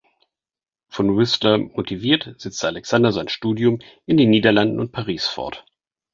Von Whistler motiviert, setzte Alexander sein Studium in den Niederlanden und Paris fort.